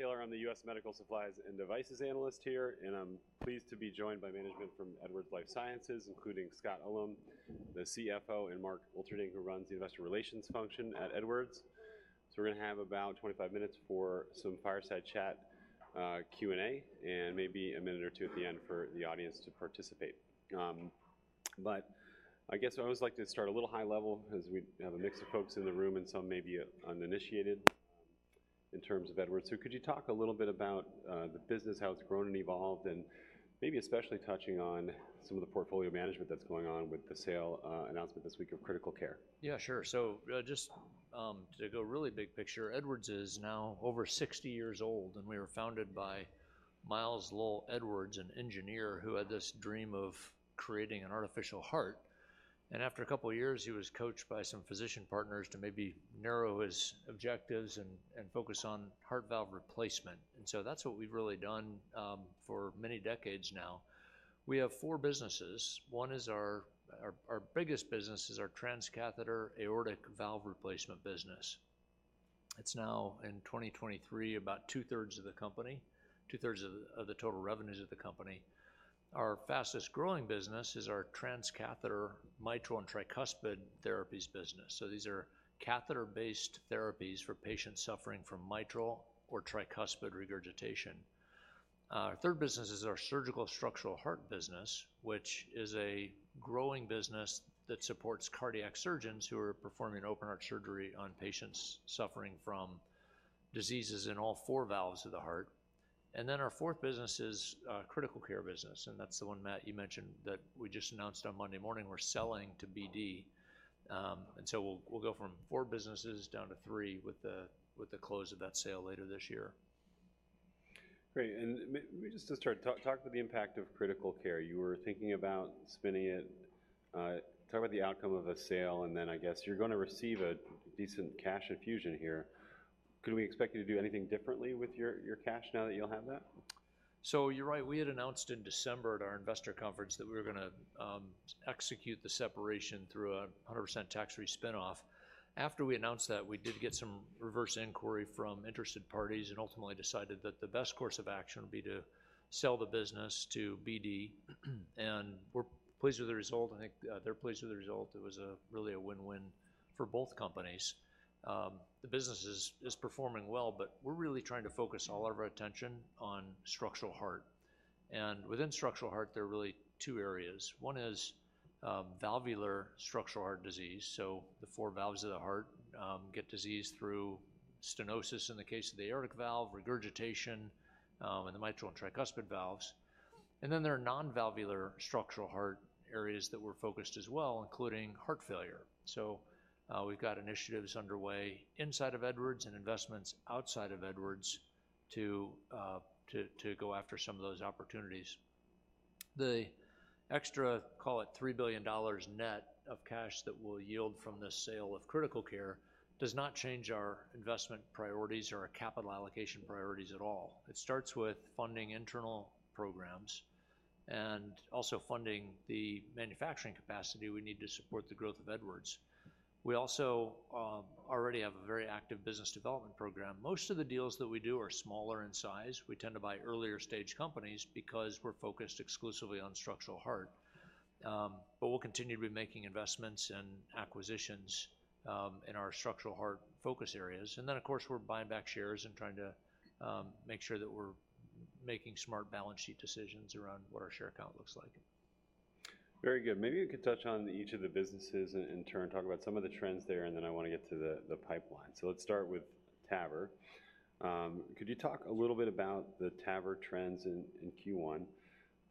Matt Taylor, I'm the U.S. Medical Supplies and Devices analyst here, and I'm pleased to be joined by management from Edwards Lifesciences, including Scott Ullem, the CFO, and Mark Wilterding, who runs the Investor Relations function at Edwards. So we're gonna have about 25 minutes for some fireside chat, Q&A, and maybe a minute or two at the end for the audience to participate. But I guess I always like to start a little high level as we have a mix of folks in the room, and some may be uninitiated, in terms of Edwards. So could you talk a little bit about the business, how it's grown and evolved, and maybe especially touching on some of the portfolio management that's going on with the sale announcement this week of Critical Care? Yeah, sure. So, just, to go really big picture, Edwards is now over 60 years old, and we were founded by Miles Lowell Edwards, an engineer, who had this dream of creating an artificial heart. And after a couple of years, he was coached by some physician partners to maybe narrow his objectives and focus on heart valve replacement. And so that's what we've really done, for many decades now. We have four businesses. One is our biggest business is our transcatheter aortic valve replacement business. It's now, in 2023, about two-thirds of the company, two-thirds of the total revenues of the company. Our fastest growing business is our transcatheter mitral and tricuspid therapies business. So these are catheter-based therapies for patients suffering from mitral or tricuspid regurgitation. Our third business is our surgical structural heart business, which is a growing business that supports cardiac surgeons who are performing open heart surgery on patients suffering from diseases in all four valves of the heart. And then our fourth business is, critical care business, and that's the one, Matt, you mentioned, that we just announced on Monday morning we're selling to BD. And so we'll, we'll go from four businesses down to three with the, with the close of that sale later this year. Great, and may we just start. Talk about the impact of Critical Care. You were thinking about spinning it. Talk about the outcome of a sale, and then I guess you're gonna receive a decent cash infusion here. Could we expect you to do anything differently with your cash now that you'll have that? So you're right. We had announced in December at our investor conference that we were gonna execute the separation through 100% tax-free spinoff. After we announced that, we did get some reverse inquiry from interested parties and ultimately decided that the best course of action would be to sell the business to BD, and we're pleased with the result, and I think they're pleased with the result. It was really a win-win for both companies. The business is performing well, but we're really trying to focus all of our attention on structural heart, and within structural heart, there are really two areas. One is valvular structural heart disease. So the four valves of the heart get diseased through stenosis, in the case of the aortic valve, regurgitation, in the mitral and tricuspid valves. And then there are non-valvular structural heart areas that we're focused as well, including heart failure. So, we've got initiatives underway inside of Edwards and investments outside of Edwards to go after some of those opportunities. The extra, call it $3 billion net of cash that will yield from this sale of Critical Care, does not change our investment priorities or our capital allocation priorities at all. It starts with funding internal programs and also funding the manufacturing capacity we need to support the growth of Edwards. We also already have a very active business development program. Most of the deals that we do are smaller in size. We tend to buy earlier stage companies because we're focused exclusively on structural heart. But we'll continue to be making investments and acquisitions in our structural heart focus areas. And then, of course, we're buying back shares and trying to make sure that we're making smart balance sheet decisions around what our share count looks like. Very good. Maybe you could touch on each of the businesses in turn, talk about some of the trends there, and then I want to get to the pipeline. So let's start with TAVR. Could you talk a little bit about the TAVR trends in Q1?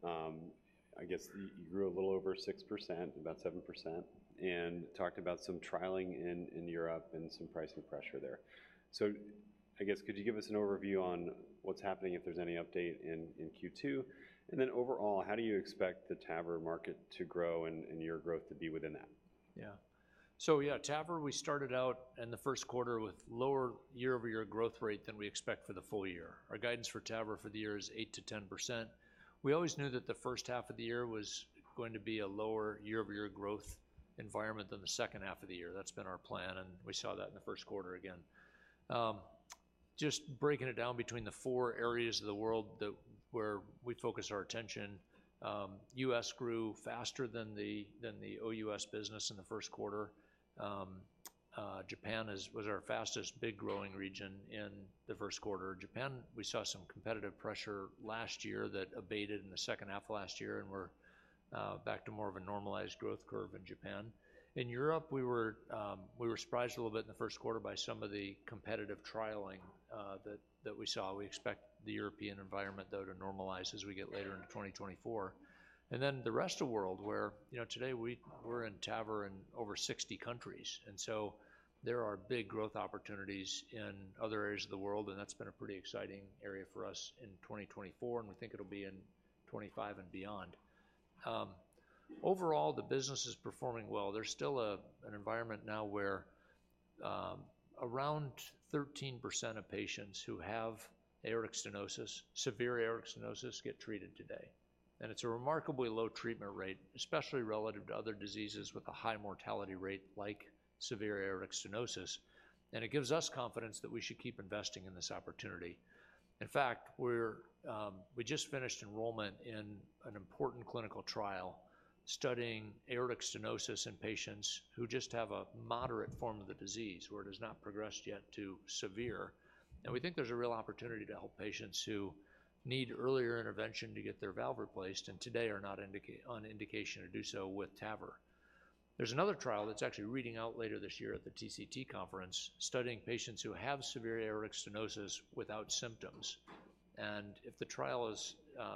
I guess you grew a little over 6%, about 7%, and talked about some trialing in Europe and some pricing pressure there. So I guess, could you give us an overview on what's happening, if there's any update in Q2? And then overall, how do you expect the TAVR market to grow and your growth to be within that? Yeah. So yeah, TAVR, we started out in the first quarter with lower year-over-year growth rate than we expect for the full year. Our guidance for TAVR for the year is 8%-10%. We always knew that the first half of the year was going to be a lower year-over-year growth environment than the second half of the year. That's been our plan, and we saw that in the first quarter again. Just breaking it down between the four areas of the world where we focus our attention, US grew faster than the OUS business in the first quarter. Japan was our fastest, big growing region in the first quarter. Japan, we saw some competitive pressure last year that abated in the second half of last year, and we're back to more of a normalized growth curve in Japan. In Europe, we were surprised a little bit in the first quarter by some of the competitive trialing that we saw. We expect the European environment, though, to normalize as we get later into 2024. Then the rest of world where, you know, today we're in TAVR in over 60 countries, and so there are big growth opportunities in other areas of the world, and that's been a pretty exciting area for us in 2024, and we think it'll be in 2025 and beyond. Overall, the business is performing well. There's still an environment now where around 13% of patients who have aortic stenosis, severe aortic stenosis, get treated today. It's a remarkably low treatment rate, especially relative to other diseases with a high mortality rate, like severe aortic stenosis, and it gives us confidence that we should keep investing in this opportunity. In fact, we're we just finished enrollment in an important clinical trial studying aortic stenosis in patients who just have a moderate form of the disease, where it has not progressed yet to severe. We think there's a real opportunity to help patients who need earlier intervention to get their valve replaced, and today are not indicated to do so with TAVR. There's another trial that's actually reading out later this year at the TCT conference, studying patients who have severe aortic stenosis without symptoms. If the trial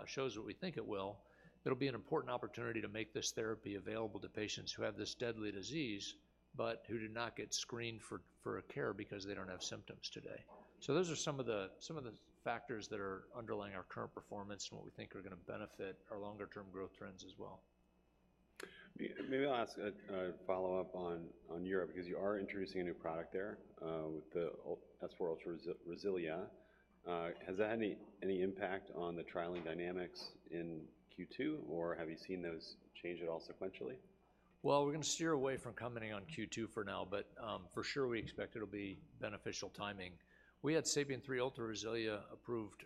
shows what we think it will, it'll be an important opportunity to make this therapy available to patients who have this deadly disease but who do not get screened for care because they don't have symptoms today. So those are some of the factors that are underlying our current performance and what we think are gonna benefit our longer-term growth trends as well. Maybe I'll ask a follow-up on Europe, because you are introducing a new product there with the S4 Ultra RESILIA. Has that had any impact on the trialing dynamics in Q2, or have you seen those change at all sequentially? Well, we're gonna steer away from commenting on Q2 for now, but for sure, we expect it'll be beneficial timing. We had SAPIEN 3 Ultra RESILIA approved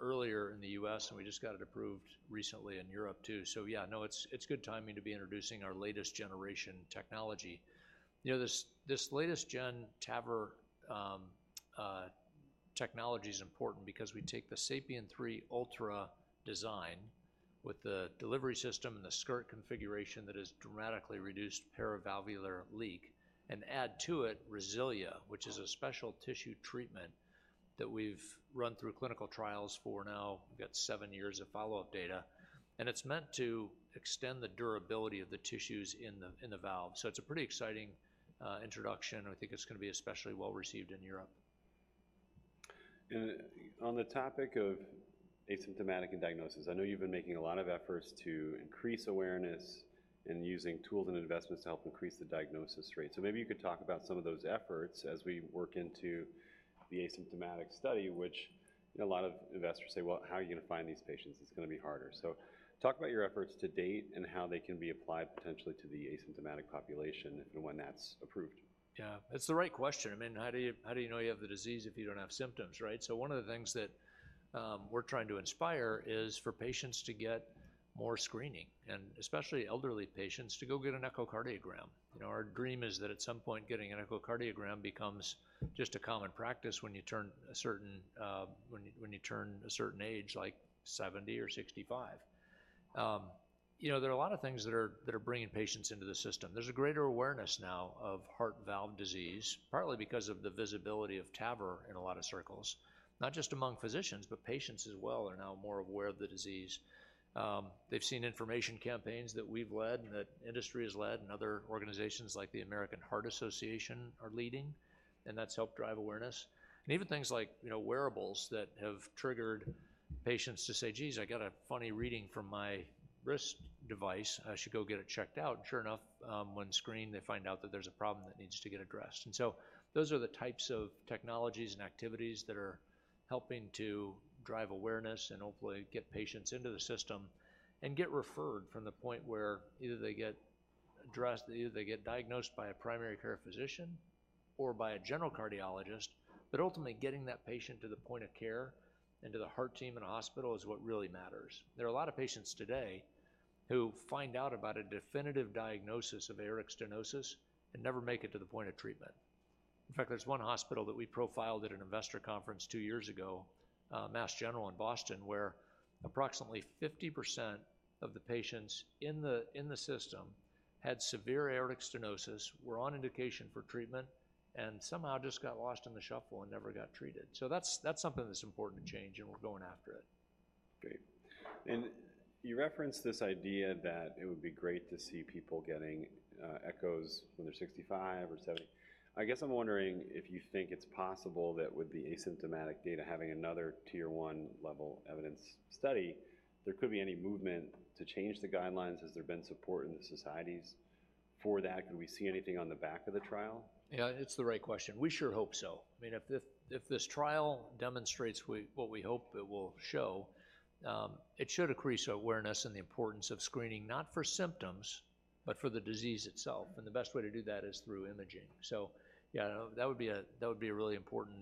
earlier in the U.S., and we just got it approved recently in Europe, too. So yeah. No, it's good timing to be introducing our latest generation technology. You know, this latest gen TAVR technology is important because we take the SAPIEN 3 Ultra design with the delivery system and the skirt configuration that has dramatically reduced paravalvular leak and add to it RESILIA, which is a special tissue treatment that we've run through clinical trials. For now, we've got seven years of follow-up data. And it's meant to extend the durability of the tissues in the valve. So it's a pretty exciting introduction. I think it's gonna be especially well-received in Europe. On the topic of asymptomatic and diagnosis, I know you've been making a lot of efforts to increase awareness and using tools and investments to help increase the diagnosis rate. So maybe you could talk about some of those efforts as we work into the asymptomatic study, which, you know, a lot of investors say, "Well, how are you gonna find these patients? It's gonna be harder." So talk about your efforts to date and how they can be applied potentially to the asymptomatic population, and when that's approved? Yeah. It's the right question. I mean, how do you, how do you know you have the disease if you don't have symptoms, right? So one of the things that we're trying to inspire is for patients to get more screening, and especially elderly patients, to go get an echocardiogram. You know, our dream is that at some point, getting an echocardiogram becomes just a common practice when you turn a certain, when you turn a certain age, like 70 or 65. You know, there are a lot of things that are, that are bringing patients into the system. There's a greater awareness now of heart valve disease, partly because of the visibility of TAVR in a lot of circles. Not just among physicians, but patients as well are now more aware of the disease. They've seen information campaigns that we've led, and that industry has led, and other organizations like the American Heart Association are leading, and that's helped drive awareness. And even things like, you know, wearables that have triggered patients to say, "Geez, I got a funny reading from my wrist device. I should go get it checked out." Sure enough, when screened, they find out that there's a problem that needs to get addressed. And so those are the types of technologies and activities that are helping to drive awareness and hopefully get patients into the system and get referred from the point where either they get diagnosed by a primary care physician or by a general cardiologist. But ultimately, getting that patient to the point of care and to the heart team and hospital is what really matters. There are a lot of patients today who find out about a definitive diagnosis of aortic stenosis and never make it to the point of treatment. In fact, there's one hospital that we profiled at an investor conference two years ago, Mass General in Boston, where approximately 50% of the patients in the system had severe aortic stenosis, were on indication for treatment, and somehow just got lost in the shuffle and never got treated. So that's something that's important to change, and we're going after it. Great. And you referenced this idea that it would be great to see people getting echoes when they're 65 or 70. I guess I'm wondering if you think it's possible that with the asymptomatic data, having another Tier 1 level evidence study, there could be any movement to change the guidelines. Has there been support in the societies for that? Could we see anything on the back of the trial? Yeah, it's the right question. We sure hope so. I mean, if this trial demonstrates what we hope it will show, it should increase awareness and the importance of screening, not for symptoms, but for the disease itself, and the best way to do that is through imaging. So yeah, that would be a really important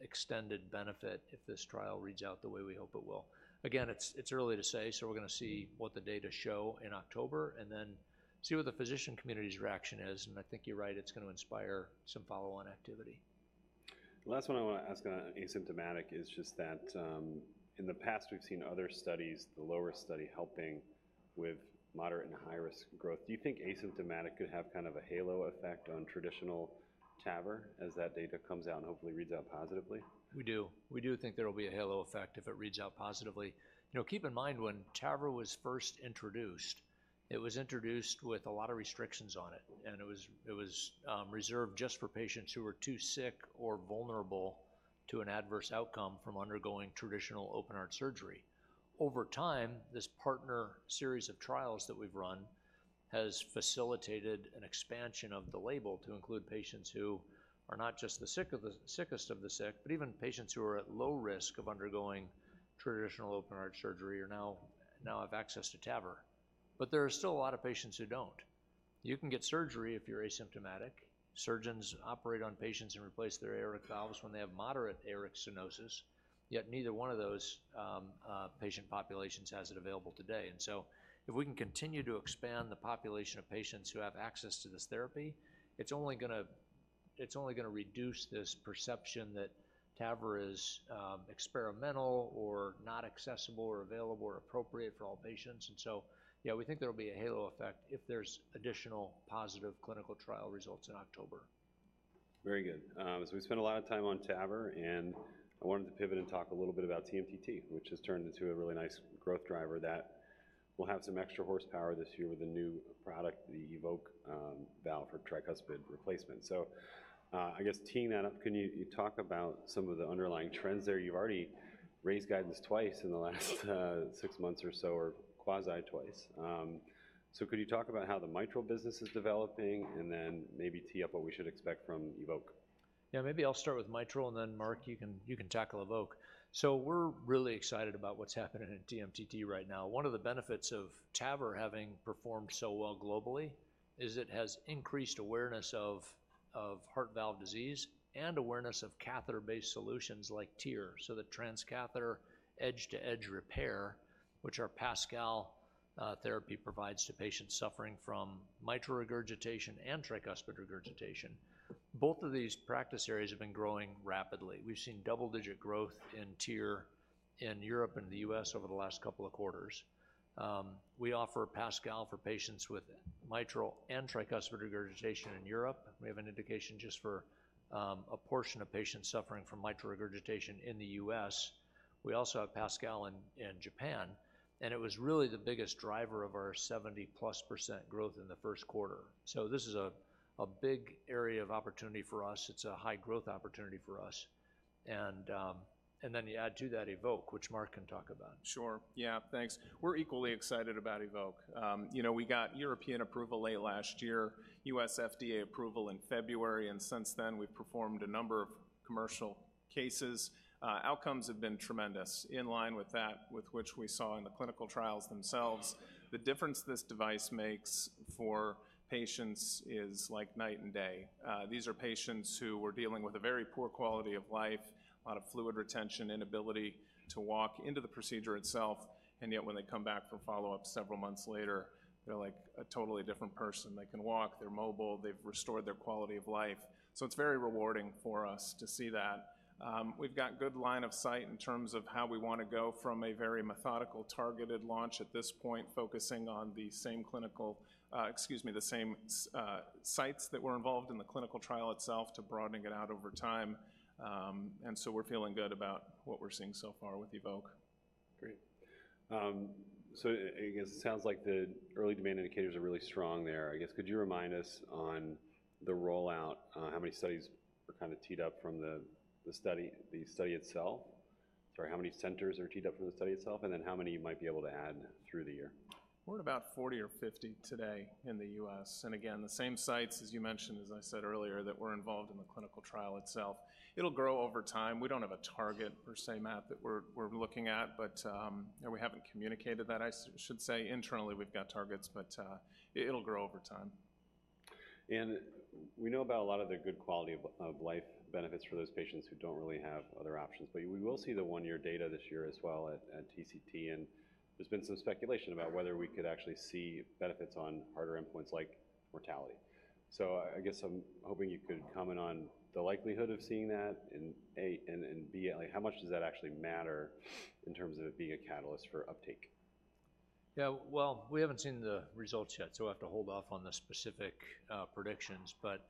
extended benefit if this trial reads out the way we hope it will. Again, it's early to say, so we're gonna see what the data show in October and then see what the physician community's reaction is. And I think you're right, it's gonna inspire some follow-on activity. The last one I want to ask on asymptomatic is just that, in the past, we've seen other studies, the lower study, helping with moderate and high-risk growth. Do you think asymptomatic could have kind of a halo effect on traditional TAVR as that data comes out and hopefully reads out positively? We do. We do think there will be a halo effect if it reads out positively. You know, keep in mind, when TAVR was first introduced, it was introduced with a lot of restrictions on it, and it was reserved just for patients who were too sick or vulnerable to an adverse outcome from undergoing traditional open heart surgery. Over time, this PARTNER series of trials that we've run has facilitated an expansion of the label to include patients who are not just the sickest of the sick, but even patients who are at low risk of undergoing traditional open heart surgery are now have access to TAVR. But there are still a lot of patients who don't. You can get surgery if you're asymptomatic. Surgeons operate on patients and replace their aortic valves when they have moderate Aortic Stenosis, yet neither one of those patient populations has it available today. And so if we can continue to expand the population of patients who have access to this therapy, it's only gonna reduce this perception that TAVR is experimental or not accessible or available or appropriate for all patients. And so, yeah, we think there will be a halo effect if there's additional positive clinical trial results in October. Very good. So we spent a lot of time on TAVR, and I wanted to pivot and talk a little bit about TMTT, which has turned into a really nice growth driver that will have some extra horsepower this year with the new product, the EVOQUE, valve for tricuspid replacement. So, I guess teeing that up, can you talk about some of the underlying trends there? You've already raised guidance twice in the last six months or so, or quasi twice. So could you talk about how the mitral business is developing, and then maybe tee up what we should expect from EVOQUE? Yeah, maybe I'll start with mitral, and then Mark, you can tackle EVOQUE. So we're really excited about what's happening in TMTT right now. One of the benefits of TAVR having performed so well globally is it has increased awareness of heart valve disease and awareness of catheter-based solutions like TEER. So the transcatheter edge-to-edge repair, which our PASCAL therapy provides to patients suffering from mitral regurgitation and tricuspid regurgitation. Both of these practice areas have been growing rapidly. We've seen double-digit growth in TEER in Europe and the U.S. over the last couple of quarters. We offer PASCAL for patients with mitral and tricuspid regurgitation in Europe. We have an indication just for a portion of patients suffering from mitral regurgitation in the U.S. We also have PASCAL in Japan, and it was really the biggest driver of our 70%+ growth in the first quarter. So this is a big area of opportunity for us. It's a high growth opportunity for us. And then you add to that EVOQUE, which Mark can talk about. Sure. Yeah, thanks. We're equally excited about EVOQUE. You know, we got European approval late last year, US FDA approval in February, and since then, we've performed a number of commercial cases. Outcomes have been tremendous, in line with that with which we saw in the clinical trials themselves. The difference this device makes for patients is like night and day. These are patients who were dealing with a very poor quality of life, a lot of fluid retention, inability to walk into the procedure itself, and yet, when they come back for follow-up several months later, they're like a totally different person. They can walk, they're mobile, they've restored their quality of life. So it's very rewarding for us to see that. We've got good line of sight in terms of how we wanna go from a very methodical, targeted launch at this point, focusing on the same clinical, excuse me, the same sites that were involved in the clinical trial itself to broadening it out over time. And so we're feeling good about what we're seeing so far with EVOQUE. Great. So I guess it sounds like the early demand indicators are really strong there. I guess, could you remind us on the rollout, how many studies were kind of teed up from the study itself? Sorry, how many centers are teed up from the study itself, and then how many you might be able to add through the year? We're at about 40 or 50 today in the US. And again, the same sites, as you mentioned, as I said earlier, that were involved in the clinical trial itself. It'll grow over time. We don't have a target per se, Matt, that we're looking at, but... Yeah, we haven't communicated that. I should say internally, we've got targets, but, it'll grow over time. We know about a lot of the good quality of life benefits for those patients who don't really have other options. But we will see the one-year data this year as well at TCT, and there's been some speculation about whether we could actually see benefits on harder endpoints like mortality. So I guess I'm hoping you could comment on the likelihood of seeing that in A and B, like, how much does that actually matter in terms of it being a catalyst for uptake? Yeah, well, we haven't seen the results yet, so we'll have to hold off on the specific predictions. But,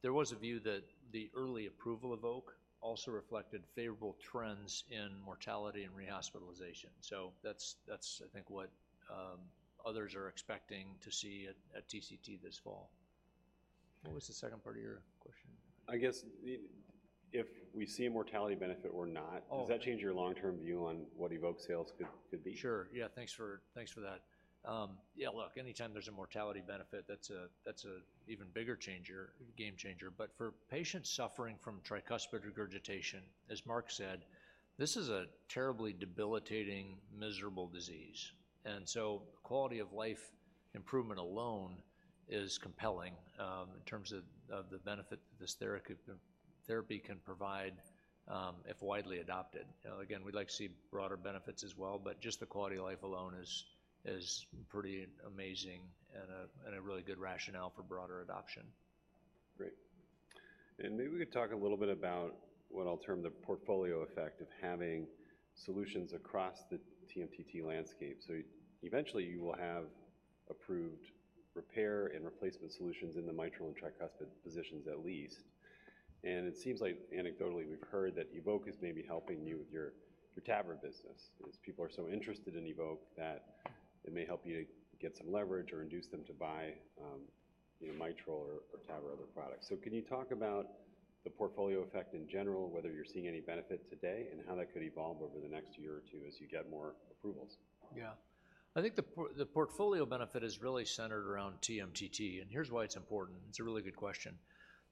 there was a view that the early approval of EVOQUE also reflected favorable trends in mortality and rehospitalization, so that's, that's, I think, what others are expecting to see at TCT this fall. What was the second part of your question? I guess, if we see a mortality benefit or not- Oh. Does that change your long-term view on what EVOQUE sales could be? Sure. Yeah, thanks for, thanks for that. Yeah, look, anytime there's a mortality benefit, that's an even bigger game changer. But for patients suffering from tricuspid regurgitation, as Mark said, this is a terribly debilitating, miserable disease, and so quality of life improvement alone is compelling, in terms of the benefit this therapy can provide, if widely adopted. Again, we'd like to see broader benefits as well, but just the quality of life alone is pretty amazing and a really good rationale for broader adoption. Great. And maybe we could talk a little bit about what I'll term the portfolio effect of having solutions across the TMTT landscape. So eventually, you will have approved repair and replacement solutions in the mitral and tricuspid positions at least, and it seems like anecdotally, we've heard that EVOQUE is maybe helping you with your, your TAVR business, as people are so interested in EVOQUE that it may help you get some leverage or induce them to buy, you know, mitral or to have our other products. So can you talk about the portfolio effect in general, whether you're seeing any benefit today, and how that could evolve over the next year or two as you get more approvals? Yeah. I think the portfolio benefit is really centered around TMTT, and here's why it's important. It's a really good question.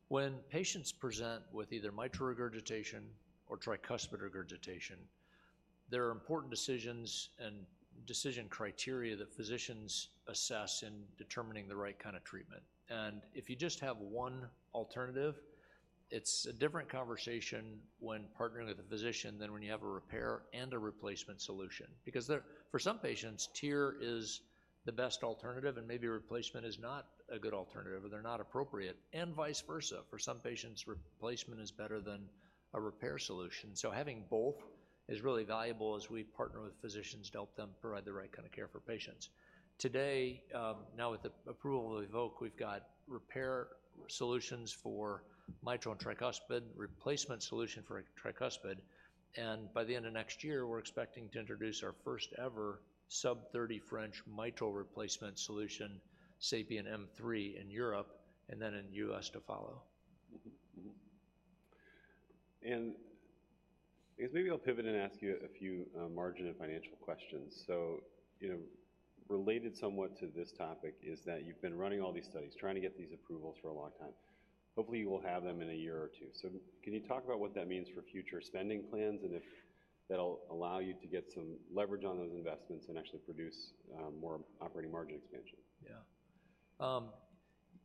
When patients present with either mitral regurgitation or tricuspid regurgitation, there are important decisions and decision criteria that physicians assess in determining the right kind of treatment. And if you just have one alternative, it's a different conversation when partnering with a physician than when you have a repair and a replacement solution. Because for some patients, TEER is the best alternative, and maybe a replacement is not a good alternative, or they're not appropriate, and vice versa. For some patients, replacement is better than a repair solution. So having both is really valuable as we partner with physicians to help them provide the right kind of care for patients. Today, now with the approval of EVOQUE, we've got repair solutions for mitral and tricuspid, replacement solution for tricuspid, and by the end of next year, we're expecting to introduce our first ever sub-30 French mitral replacement solution, SAPIEN M3, in Europe, and then in the U.S. to follow. Mm-hmm. Mm-hmm. And I guess maybe I'll pivot and ask you a few margin and financial questions. So, you know, related somewhat to this topic is that you've been running all these studies, trying to get these approvals for a long time. Hopefully, you will have them in a year or two. So can you talk about what that means for future spending plans, and if that'll allow you to get some leverage on those investments and actually produce more operating margin expansion? Yeah.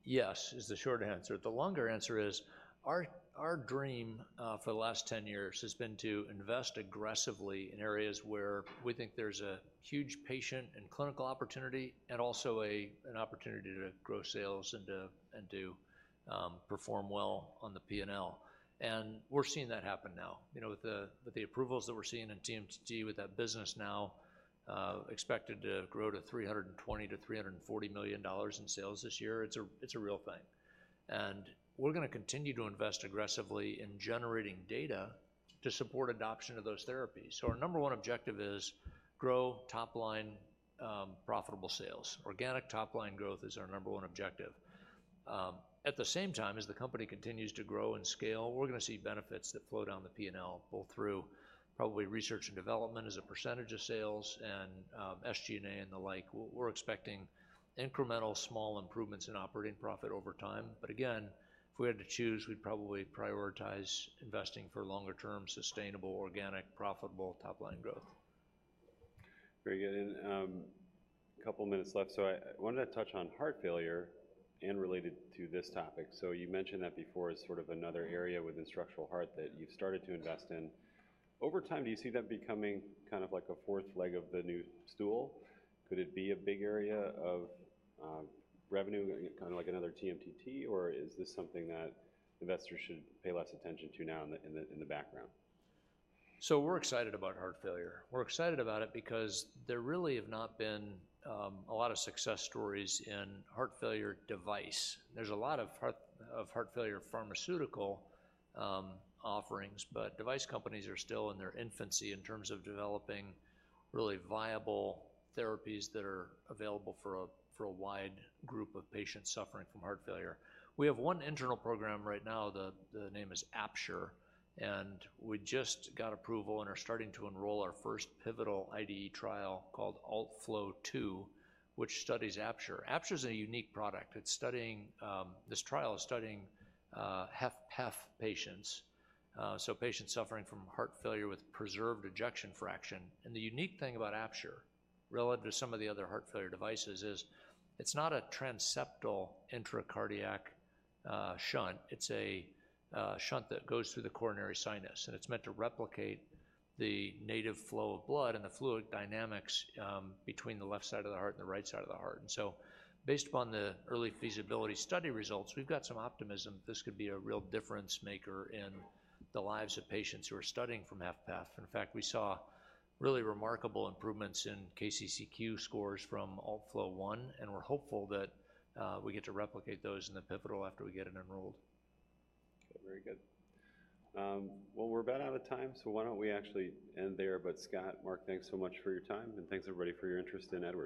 Yes is the short answer. The longer answer is, our dream for the last 10 years has been to invest aggressively in areas where we think there's a huge patient and clinical opportunity, and also an opportunity to grow sales and to perform well on the P&L. And we're seeing that happen now. You know, with the approvals that we're seeing in TMTT, with that business now expected to grow to $320 million-$340 million in sales this year, it's a real thing. And we're gonna continue to invest aggressively in generating data to support adoption of those therapies. So our number one objective is grow top line profitable sales. Organic top line growth is our number one objective. At the same time, as the company continues to grow and scale, we're gonna see benefits that flow down the P&L, both through probably research and development as a percentage of sales and SG&A and the like. We're expecting incremental small improvements in operating profit over time. But again, if we had to choose, we'd probably prioritize investing for longer term, sustainable, organic, profitable, top-line growth. Very good. A couple of minutes left. I wanted to touch on heart failure and related to this topic. You mentioned that before as sort of another area within structural heart that you've started to invest in. Over time, do you see that becoming kind of like a fourth leg of the new stool? Could it be a big area of revenue, kind of like another TMTT, or is this something that investors should pay less attention to now in the background? So we're excited about heart failure. We're excited about it because there really have not been a lot of success stories in heart failure device. There's a lot of heart failure pharmaceutical offerings, but device companies are still in their infancy in terms of developing really viable therapies that are available for a wide group of patients suffering from heart failure. We have one internal program right now. The name is APTURE, and we just got approval and are starting to enroll our first pivotal IDE trial called ALT-FLOW II, which studies APTURE. APTURE is a unique product. It's studying... This trial is studying HFpEF patients, so patients suffering from heart failure with preserved ejection fraction. And the unique thing about APTURE, relative to some of the other heart failure devices, is it's not a transseptal intracardiac shunt. It's a shunt that goes through the coronary sinus, and it's meant to replicate the native flow of blood and the fluid dynamics between the left side of the heart and the right side of the heart. And so, based upon the early feasibility study results, we've got some optimism this could be a real difference maker in the lives of patients who are suffering from HFpEF. In fact, we saw really remarkable improvements in KCCQ scores from ALT-FLOW I, and we're hopeful that we get to replicate those in the pivotal after we get it enrolled. Very good. Well, we're about out of time, so why don't we actually end there? But Scott, Mark, thanks so much for your time, and thanks, everybody, for your interest in Edwards.